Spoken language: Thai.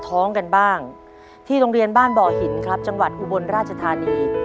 ท้องกันบ้างที่โรงเรียนบ้านบ่อหินครับจังหวัดอุบลราชธานี